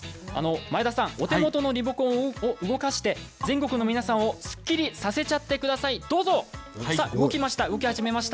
前田さん、お手元のリモコンを動かして全国の皆さんをすっきりさせちゃってくださいどうぞ。来た来た。